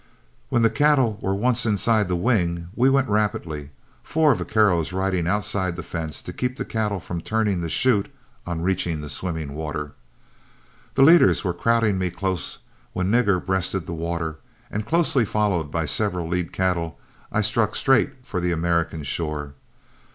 When the cattle were once inside the wing we went rapidly, four vaqueros riding outside the fence to keep the cattle from turning the chute on reaching swimming water. The leaders were crowding me close when Nigger breasted the water, and closely followed by several lead cattle, I struck straight for the American shore.